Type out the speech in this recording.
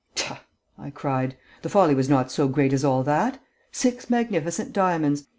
"Tah!" I cried. "The folly was not so great as all that. Six magnificent diamonds!